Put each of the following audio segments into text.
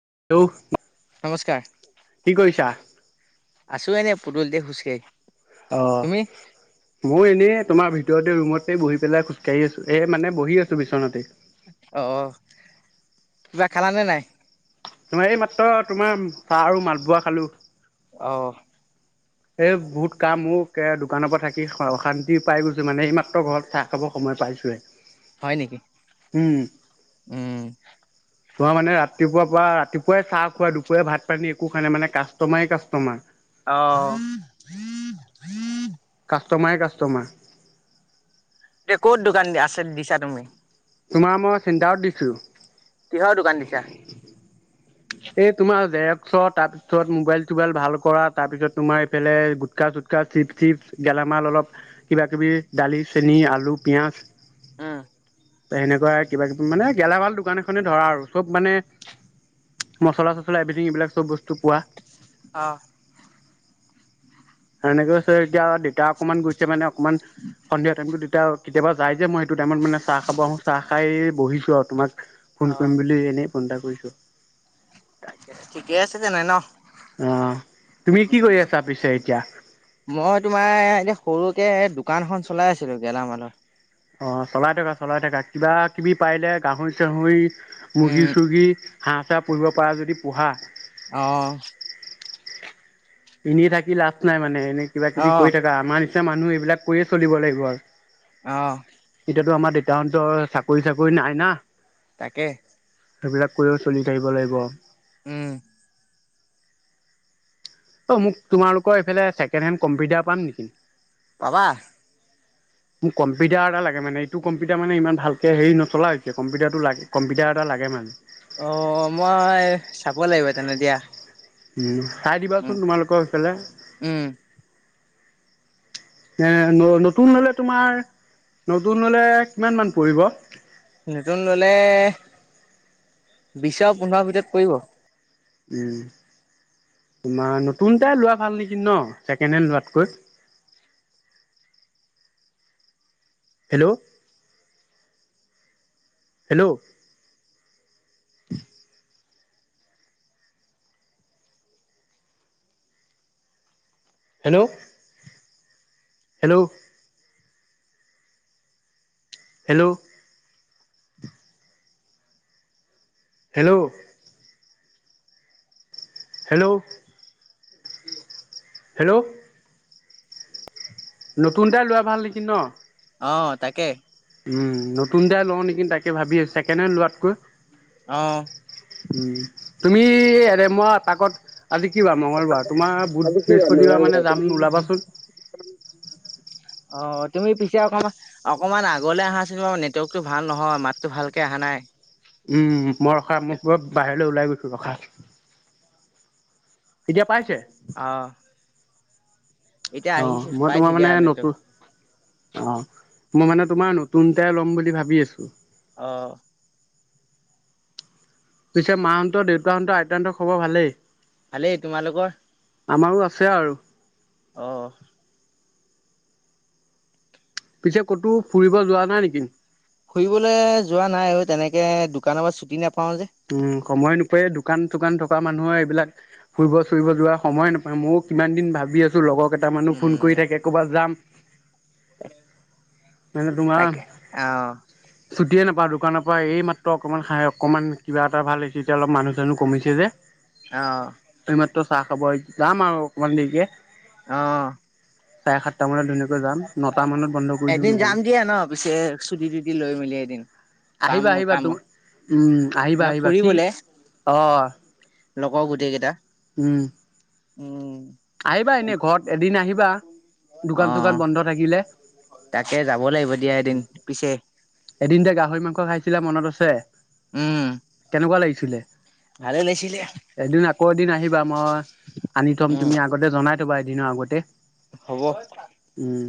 [unintelligible] নমস্কাৰ। কি কৰিছা? আছো এনেই পদূলিতে খোজকাঢ়ি। তুমি অহ মওঁ এনেই। তোমাৰ ভিতৰতে ৰুমতে বহি পেলাই খোজকাঢ়ি আছো এ মানে বহি আছো বিচনাতে। অহ কিবা খালানে নাই? তোমাৰ এই মাত্ৰ তোমাৰ চাহ আৰু মালপোৱা খালো। অহ্। এই বহুত কাম মোৰ কে দোকানৰ পৰা থাকি অশান্তি পাই গৈছো মানে এইমাত্ৰ ঘৰত চাহ খাব সময় পাইছোহে। হয় নেকি উম, উম তোমাৰ মানে ৰাত ৰাতিপুৱা পৰা ৰাতিপুৱাই চাহ খোৱা, দুপৰীয়া ভাত পানী একো খোৱা নাই মানে কাষ্টমাৰেই কাষ্টমাৰ। অহ। কাষ্টমাৰে কাষ্টমাৰ। এতিয়া ক'ত দোকান দিয়া আছে, দিছা তুমি? তোমাৰ মই চেণ্টাৰত দিছো। কিহৰ দোকান দিছা? এই তোমাৰ জেৰেক্সৰ তাৰপিছত মোবাইল, চোবাইল, ভাল কৰা তাৰপিছত তোমাৰ এইফালে গুটকা, চুটকা, চিপ, চিপছ গেলামাল অলপ কিবা কিবি দালি, চেনি, আলু, পিয়াজ। উম। তেনেকুৱা কিবা কিবি মানে গেলা মাল দোকান এখনে ধৰা আৰু চব মানে। মচলা চছলা এভৰীথিং এইবিলাক চব বস্তু। কোৱা। অ এতিয়া দেউতা অকনমান গৈছে মানে অকনমান সন্ধিয়া টাইমত কেতিয়াবা যাই যে, মই সেইটো টাইমত মানে চাহ খাব আহো চাহ খাই বহিছো আৰু তোমাৰ। অ ফোন কৰিম বুলি এনে। ফোন এটা কৰিছোঁ। ঠিকে আছে তেনে ন। অ তুমি কি কৰি আছা পিছে এতিয়া মই তোমাৰ এতিয়া সৰু। এতিয়া দোকানখন চলাই আছিলো গেলামালৰ। অঁ', চলাই থকা, চলাই থকা, কিবা কিবি পাৰিলে গাহৰি চাহৰি উম মূৰ্গী-চূগী হাঁহ পুহিব পাৰা যদি পোহা। আহ। এনেই থাকি লাভ নাই মানে। কিবা অ কিবি কৰি থাকা আমাৰ। [unintelligible] মানুহ এইবিলাক কৰিয়ে চলিব লাগিব আৰু। অ। এতিয়াতো আমাৰ দেউতাহঁতৰ চাকৰি তাকৰি নাই না। তাকে। সেইবিলাক কৰিও চলি থাকিব লাগিব। উম। অ মোক তোমালোকৰ এইফালে ছেকেণ্ড হেণ্ড কম্পিউটাৰ পাম নেকি। পাবা। মোক কম্পিউটাৰ এটা লাগে মানে, এইটো কম্পিউটাৰ মানে ইমান ভালকে হেৰি নচলা হৈছে কম্পিউটাৰটো লাগে কম্পিউটাৰ এটা লাগে মানে। অ মই চাব লাগিব তেনে দিয়া। উম, চাই উম দিবাচোন তোমালোকৰ সেইফালে? উম এ ন নতুন ললে, তোমাৰ নতুন ললে কিমান মান পৰিব। নতুন ললে, বিশছৰ আৰু পোন্ধৰ ভিতৰত পৰিব। উম তোমাৰ নতুনতোই লোৱা ভাল নেকি ন। ছেকেণ্ড হেণ্ড লোৱাতকৈ। Hello?. Hello. Hello hello hello hello. Hello কি হেল্ল' নতুন এটা লোৱা ভাল নেকি ন। অহ তাকে। উম নতুনটাই লওঁ নেকি তাকে ভাবিছো ছেকেণ্ড হেণ্ড লোৱাতকৈ। অহ। উম। তুমি, এনেই মই এপাকত। আজি কি বাৰ মংগলবাৰ। তোমাৰ বুধ আজি কি যায় মঙল বৃহস্পতিবাৰ মানে যায় তুমি যাম ওলাবাচোন। অহ তুমি পিছে অকমান, অকমান আগলে আহা চোন নেটৱৰ্কতটো ভাল নহয়। মাতো ভালকে অহা নাই। উম [unintelligible] বাহেৰ লৈ ওলাই গৈছো ৰখা। এতিয়া পাইছে? অহ। অ মই তোমাৰ মানে নতুন, অ মই মানে তোমাৰ নতু নতুন এটাই ল'ম বুলি ভাবি আছো। অহ। পিছে মাহঁতৰ, দেউতাহঁত, আইতাহঁতৰ খবৰ ভালেই? ভালেই, তোমালোকৰ? আমাৰো আছে আৰু। অহ। পিছে কতো ফুৰিব যোৱা নাই নেকি? ফুৰিবলে যোৱা নাই ঐ, তেনেকে দোকানৰ পৰা ছুটি নেপ উম সময় নোপোৱা দোকান চোকান থকা মানুহৰ এইবিলাক ফুৰিব চুৰিব যোৱাৰ সময় নাপায়, মইও কিমান দিন ভাবি আছো লগৰ কেইটা মানো ফোন উম। কৰি থাকে ক'ৰবাত যাম। মানে তোমাৰ তাকে অহ চুটিয়ে নাপালো। দোকানৰ পৰা এই মাত্ৰ অকণমান সাই অকণমান কিবা এটা ভাল হৈছে, এতিয়া অলপ মানুহ চানুহ কমিছে যে। অঁ। ত চাহ খাব আহিছোঁ, যাম আৰু অকমান দেৰিকে। অঁ। চাৰে সাতটা মানত। [unintelligible] নটা মানত বন্ধ কৰি দিওঁ এদিন দোকান যাম দিয়া ন' পিছে, চুটি তুতি লৈ মেলি এদিন। কাম আহিবা-আহিবা, কাম তু উম, ন আহিবা-আহিবা কি, ফুৰিবলে অ'। লগৰ গোটেই কেইটা। উম। উম। আহিবা এনে ঘৰত এদিন আহি [unintelligible] অ', তাকে যাব লাগিব দিয়া এদিন পিছে। এদিন যে গাহৰি মাংস খাইছিলা মনত আছে। উম কেনেকুৱা লাগিছ চিলে। ভালে ওলাইছিলে এদিন আকৌ এদিন আহিবা, মই আনি থম উম তুমি আগতে জনাই থ'বা এদিনৰ আগতে। হ'ব। উম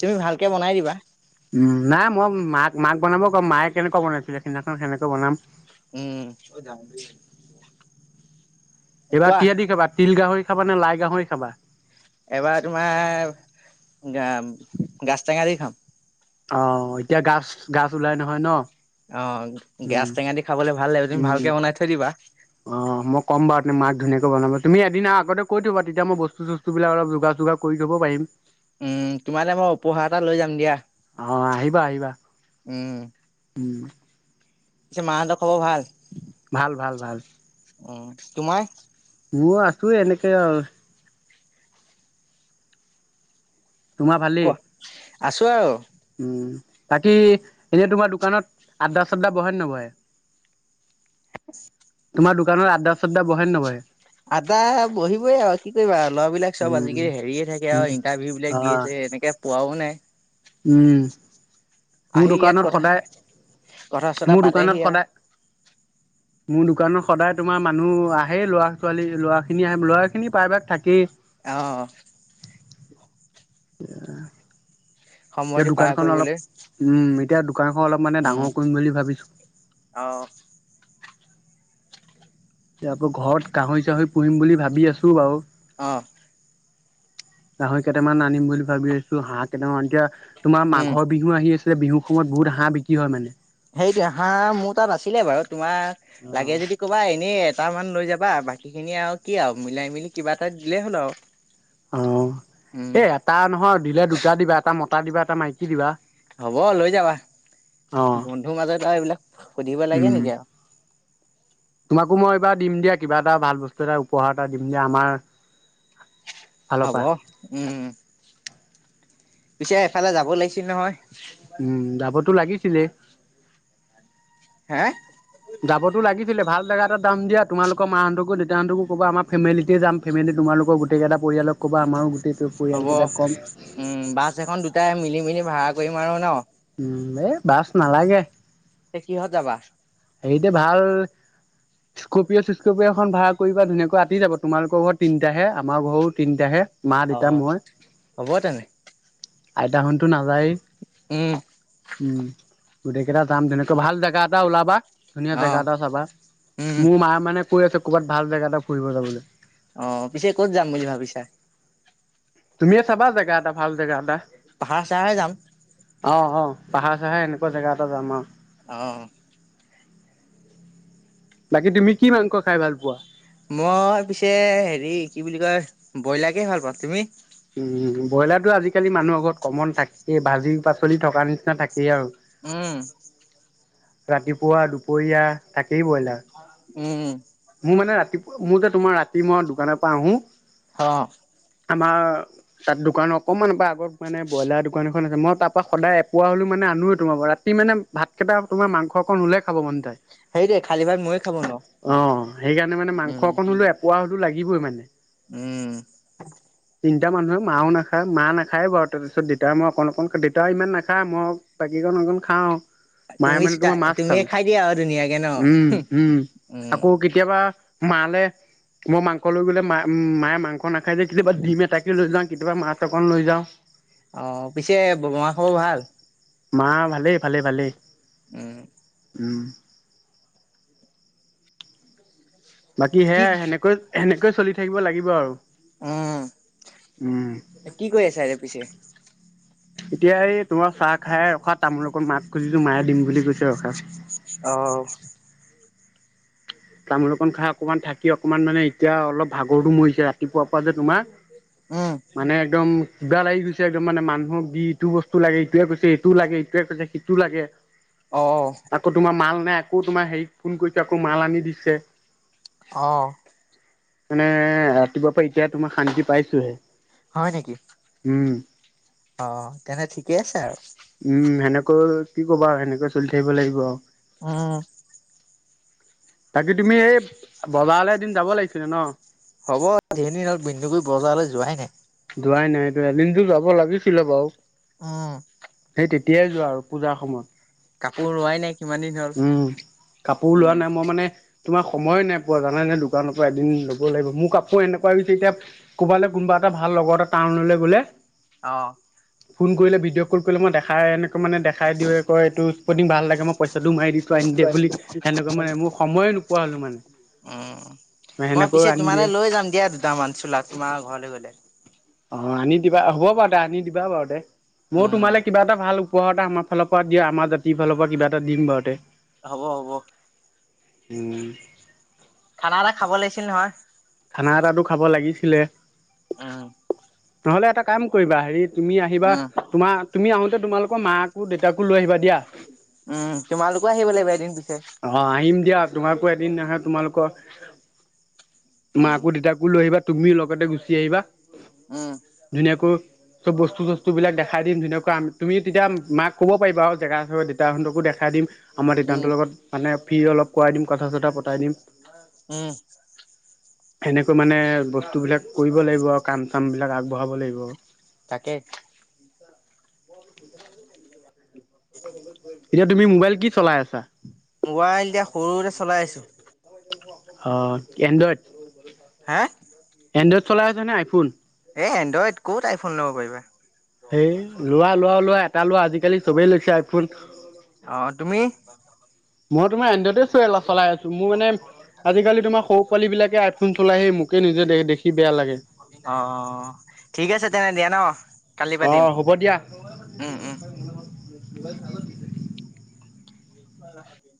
তুমি ভালকে বনাই দিবা। উম, নাই, মই মাক-মাক বনাব কম, মায়ে কেনেকুৱা বনাইছিলে সেইদিনাখন সেনেকৈ বনাম। উম। এইবাৰ কোৱা কিহেদি খাবা, তিল গাহৰি খাবা নে লাই গাহৰি খাবা। এবাৰ তোমাৰ, গা গাজ টেঙা দি খাম। অ', এতিয়া গাছ, গাছ ওলাই নহয় ন'। অ' গাছ উম টেঙা দি খাবলৈ ভাল লাগিব, তুমি উম ভালকে বনাই থৈ দিবা। অ', মই ক'ম বাৰু মাক ধুনীয়াকে বনাব, তুমি এদিনৰ আগতে কৈ থ'বা, তেতিয়া মই বস্তু চস্তুবিলাক অলপ যুগৰ চুগাৰ কৰি থ'ব পাৰিম। উম, তোমালে মই উপহাৰ এটা লৈ যাম দিয়া। অ' আহিবা-আহিবা। উম। উম। পিছে, মাহতৰ খবৰ ভাল। ভাল ভাল- ভাল। অ' তোমাৰ? মোৰ আছো এনেকে আৰু। তোমাৰ ভালেই? আছোঁ আৰু। উ', বাকী এতিয়া তোমাৰ দোকানত আদ্ডা চাদ্দা বহে নবহে? [unintelligible] তোমাৰ দোকানত আড্ডা সাদ্দা বহে নবহে? আদা বহিবই আও কি কৰিবা, ল'ৰাবিলাক চব উম, আজিকালি হেৰিয়ে থাকে উম। আৰু ইণ্টাৰভিউ বিলাক দি অ', আছে এনেকে পোৱাও নাই। [inaudible] উম মোৰ আহি ইয়াত দোকানত কথা সদায় কথা চথা মোৰ পাতেহি দোকানত আৰু সদায় মোৰ দোকানত সদায় তোমাৰ মানুহ আহেই ল'ৰা ছোৱালী ল'ৰাখিনি আহে ল'ৰাখিনি প্ৰায়ভাগ থাকেই আহ এ [inaudible] এতিয়া সময়টো পাৰ দোকানখন অলপ কৰিবলৈ উম এতিয়া দোকানখন অলপ মানে উম ডাঙৰ কৰিম বুলি ভাবিছো। অ', তাপা ঘৰত গাহৰি চাহৰি পুহিম বুলি ভাবি আছো বাৰু অঁ গাহৰি কেইটামান আনিম বুলি ভাবি আছো হাঁহ কেইটামান এতিয়া তোমাৰ উম মাঘৰ বিহু আহি আছে। বিহু সময়ত বহুত হাঁহ বিক্ৰী হয় মানে। সেইটোৱে হাঁহ মোৰ তাত আছিলে বাৰু তোমাৰ লাগে অ', যদি ক'বা এনেই এটা মান লৈ যাবা বাকী খিনি আৰু কি আৰু মিলাই মেলি কিবা এটা দিলেই হ'ল আৰু অ উম এটা নহয় দিলে দুটা দিবা এটা মতা মতা দিবা এটা মাইকী দিবা। হ'ব লৈ যাবা অ'। বন্ধুৰ মাজত আৰু এইবিলাক সুধিব লাগে উম, নেকি আৰু তোমাকো মই এইবাৰ দিম দিয়া কিবা এটা ভাল বস্তু এটা উপহাৰ এটা দিম দিয়া আমাৰ ফালৰ হব পৰা। উম পিছে এফালে যাব লাগিছিল নহয় উম যাবতো লাগিছিলে হে যাবতো লাগিছিলে ভাল জেগা এটা যাম দিয়া তোমালোক মাহঁতকো দেউতাহঁতকো কবা আমাৰ ফেমেলিটে যাম ফেমেলি তোমালোকৰ গোটেইটা হ'ব ক'ম উম বাছ এখন দুটাই মিলি মেলি ভাড়া কৰিম আৰু ন উ এই বাছ নালাগে তে কিহত যাবা হেৰিতে ভাল স্কপিঅ' চু্কপিঅ এখন ভাড়া কৰি ধুনীয়াকৈ আঁতি যাব তোমালোকৰ ঘৰত তিনিটাহে আমাৰ ঘৰো তিনিটাহে। মা অ দেউতা মই হ'ব তেনে। আইতাহটো নাযায় উম। উম গোটেই কেইটা যাম তেনেকৈ ভাল জেগা এটা ওলাবা। ধুনীয়া জেগা অ', এটা চাবা উম মোৰ মায় মানে কৈ আছে ক'ৰবাত ভাল জেগা এটা ফুৰিব যাবলে। অ পিছে ক'ত যাম বুলি ভাবিছা। তুমিয়ে চাবা জেগা এটা ভাল জেগা এটা পাহাৰ চাহাৰে যাম। অ', অ', পাহাৰ চাহাৰ এনেকুৱা জেগা এটা যাম আও। অ। বাকী তুমি কি মাংস খাই ভাল পোৱা? মই পিছে হেৰি কি বুলি কয়, ব্ৰইলাৰকে ভাল পাওঁ। তুমি? উম ব্ৰইলাৰটো আজিকালি মানুহৰ ঘৰত কমন থাকেই, ভাজি পাচলি থকা নিচিনা থাকেই আৰু। উম। ৰাতিপুৱা দুপৰীয়া তাক সেই ব্ৰইলাৰ, উম, মোৰ মানে ৰাত মোৰ যে তোমাৰ ৰাতি মই দোকানৰ পৰা আহো। হ। আমাৰ তাত দোকান অকণমানৰ পৰা আগত মানে ব্ৰইলাৰ দোকান এখন আছে, মই তাৰ পৰা সদায় এপোৱা হ'লেও মানে আনোৱেই তোমাৰ পৰা ৰাতি মানে ভাতকেটা তোমাৰ মাংস অকণ উলে খাব মন তাই। সেইটোৱে খালী ভাত ময়ো খাব নোৱাৰো। অ সেইকাৰণে মানে মাংস অকন উলৈ এপোৱা হ টো লাগিবই মানে। উম। তিনিটা মানুহে, মাও নাখায় মা নাখায় বাৰু, তাৰপিছত দেতা মই অকণ অকণ, দেউতা ইমান নাখায় মই বাকীকণ অকণ খাওঁ। মায়ে তুমি মানে চো, তোমাৰ মাছ খাওঁ তুমিয়ে খাই দিয়া আৰু ধুনীয়াকে ন? উম উম উম। আকৌ কেতিয়াবা মালে মই মাংস লৈ গ'লে, মা মায়ে মাংস নাখাই যে কেতিয়াবা ডিম এটাকে লৈ যাওঁ, কেতিয়াবা মাছ অকণ লৈ যাওঁ। অ' পিছে বৰমাৰ খবৰ ভাল? মা ভালেই ভালেই ভালেই। উম। উম। বাকী কি সেয়া সেনেকৈ হেনে চলি থাকিব লাগিব আৰু। উম, উম কি কৰি আছা এতিয়া পিছে? এতিয়া এই তোমাৰ চাহ খাই ৰখা তামোল অকণ মাক খুজিছোঁ, মায়ে দিম বুলি কৈছে ৰখা। অ'। তামোল অকণ খাই অকমান থাকি অকণমান মানে এতিয়া অলপ ভাগৰটো মৰিছে ৰাতিপুৱাৰ পৰা যে তোমাৰ উম, মানে একদম কিবা লাগি গৈছে একদম মানে, মানুহক দি ইটো বস্তু লাগে, ইটোৱে কৈছে এইটো লাগে, ইটোৱে কৈছে সিটো লাগে। অ', আকৌ তোমাৰ মাল নাই। আকৌ তোমাৰ হেৰিত ফোন কৰিছো, আকৌ মাল আনি দি ছে। অঁ। মানে, ৰাতিপুৱাৰ পৰা এতিয়া তোমাৰ শান্তি পাইছোহে। হয় নেকি? উম। অ' তেনে ঠিকেই আছে আৰু। উম সেনেক কি ক'বা আৰু সেনেকৈ চলি থাকিব লাগিব আৰু। উম। বাকী তুমি এই বজালে এদিন যাব লাগিছিলে ন? হ'ব ধেই দিন হল বিনদু কৰি বজাৰলৈ যোৱাই নাই। যোৱাই নাই এদিনতো যাব লাগিছিলে বাৰু। উম সেই তেতিয়াই যোৱা আৰু পূজাৰ সময়ত কাপোৰ লোৱাই নাই কিমান দিন হ'ল। উম কাপোৰ লোৱা উম। নাই মই মানে তোমাৰ সময়ে নাই পোৱা জানে নে দোকানৰ পৰা এদিন লব লাগিব মোৰ কাপোৰ এনেকুৱাছে এতিয়া কবালৈ কোনোবা এটা ভাল লগৰ এটা টাউনলৈ গলে অহ ফোন কৰিলে ভিডিঅ' কল কৰিলে মই দেখাই এনেকৈ মানে দেখাই দি ক এইটো স্পৰ্টিং ভাল লাগে ম মানে মোৰ সময়ে নোপোৱা হ'লো মানে উম মই সেনেকৈও পিছে আনি তোমালৈ দিয়ে লৈ যাম দিয়া দুটামান চোলা তোমাৰ ঘৰলৈ গলে। অ আনি দিবা হ'ব বাৰু দে আনি দিবা বাৰু দে। মই উম। তোমালে কিবা এটা ভাল প আমাৰ ফালৰ পৰা দিয় আমাৰ জাতিৰ ফালৰ পৰা কিবাটা দিম বাৰু দে হ'ব হ'ব উম খানা এটা খাব লাগিছিল নহয়। খানা এটাতো খাব লাগিছিলে? উম। নহ'লে এটা কাম কৰিবা হেৰিত তুমি আহিবা, উম, তোমাৰ তুমি আহো তোমালোকৰ মাকো দেউতাকো লৈ আহিবা দিয়া। উম, তোমালোকো আহিব লাগিব এদিন পিছে। অ' আহিম দিয়া তোমালোকো এদিন নাহা তোমালোকৰ উম। মাকো দেউতাকো লৈ আহিবা। তুমিও লগতে গুছি আহিবা। উম, ধুনীয়াকৈ চ'ব বস্তু চস্তু বিলাক দেখাই দিম। ধুনীয়াকৈ তুমি তেতিয়া মাক ক'ব পাৰিবা আৰু জেগা চগা দেইতাহঁতকো দেখাই দিম। আমাৰ উম, দেউতাহঁতৰ লগত মানে। ফ্ৰীৰ অলপ কৰাই দিম, কথা চথা পতাই দিম। পুৰা কথা হ'ব তেতিয়া। উম, সেনেকৈ মানে বস্তু বিলাক কৰিব লাগিব আৰু কাম চাম বিলাক আগবঢ়াব লাগিব। তাকে [inaudible] এতিয়া তুমি মোবাইল কি চলাই আছা? মোবাইল এতিয়া সৰুৰে চলাই আছো। অহ ', এণ্ড্ৰইড? হাহ। চলাই আছেনে আইফোন? এই এণ্ড্ৰইড ক'ত আইফোন ল'ব পাৰিবা। হেই, লোৱা- লোৱা- লোৱা এটা লোৱা। আজিকালি সবেই লৈছে আইফোন। অহ' তুমি? মই তোমাৰ এণ্ড্ৰইড এ এ চলাই আছো, মোৰ মানে আজিকালি তোমাৰ সৰু পোৱালি বিলাকে আইফোন চলাই আহি মোকে নিজে দেখ দেখি বেয়া লাগে অহ ', ঠিক আছে তেনে দিয়া ন' কালি অ পাতিম। হ'ব উম- উম। মোবাইল [unintelligible] [unintelligible]